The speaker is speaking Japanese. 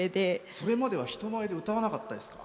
それまでは人前で歌わなかったですか？